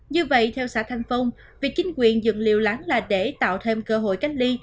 như vậy theo xã thanh phong việc chính quyền dựng liều lán là để tạo thêm cơ hội cách ly